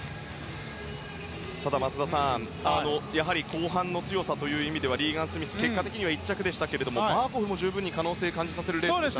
ただ松田さん、やはり後半の強さという意味ではリーガン・スミス結果的に１着でしたがバーコフも十分に可能性を感じさせるレースでしたね。